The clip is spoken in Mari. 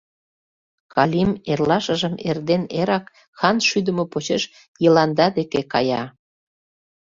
Калим эрлашыжым эрден эрак хан шӱдымӧ почеш Йыланда деке кая.